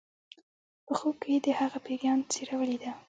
په خوب کې یې د هغه پیریان څیره ولیده